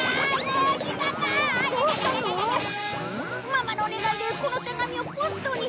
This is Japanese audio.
ママのお願いでこの手紙をポストに。